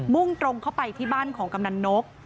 ่งตรงเข้าไปที่บ้านของกำนันนก